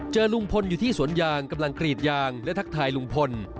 ลุงพลอยู่ที่สวนยางกำลังกรีดยางและทักทายลุงพล